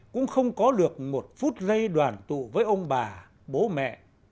cũng không có được một phút giây đoàn tụ với ông bà bố mẹ